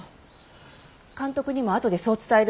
監督にもあとでそう伝えるわ。